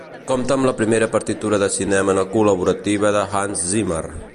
Compta amb la primera partitura de cinema no col·laborativa de Hans Zimmer.